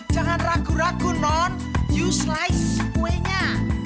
jangan ragu ragu non you slice kuenya